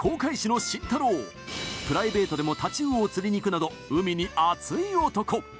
プライベートでもタチウオを釣りに行くなど海に熱い男。